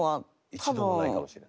一度もないかもしれない。